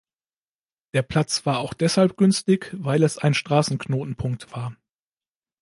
Der Platz war auch deshalb günstig, weil es ein Straßenknotenpunkt war.